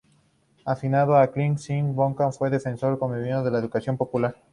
Afincado en Clinton Hill, Brooklyn, fue un defensor convencido de la educación popular.